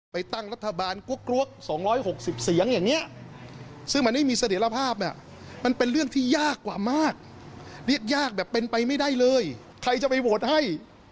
ตั้งรัฐบาลกรวก๒๖๐เสียงอย่างนี้ซึ่งมันไม่มีเสถียรภาพมันเป็นเรื่องที่ยากกว่ามากเรียกยากแบบเป็นไปไม่ได้เลยใครจะไปโหวตให้